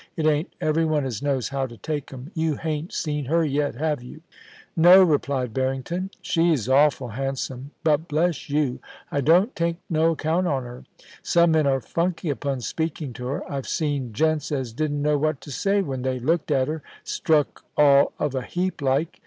It ain't every one as knows how to take 'em. You hain't seen her yet, have you ?* *No,' replied Barrington. * She's awful handsome ; but, bless you, I don't take no account on her. Some men are funky upon speaking to her. I've seen gents as didn't know what to say when they looked at her — struck all of a heap, like.